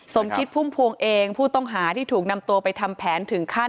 สมคิดพุ่มพวงเองผู้ต้องหาที่ถูกนำตัวไปทำแผนถึงขั้น